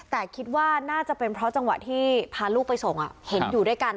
แต่คิดว่าน่าจะเป็นเพราะจังหวะที่พาลูกไปส่งเห็นอยู่ด้วยกัน